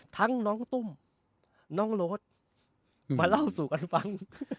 ทั้งน้องตุ้มน้องโรดมาเล่าสู่กันฟัง